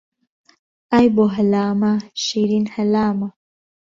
ئای بۆ هەلامە شیرین هەلامە